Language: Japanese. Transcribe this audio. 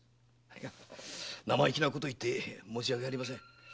いや生意気なこと言って申し訳ありません。